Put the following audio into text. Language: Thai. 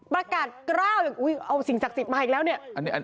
ประกาศเกราะนั่นแบบโอ้ยเอาสิ่งศักดิ์สิทธิ์มาอีกแล้วนี่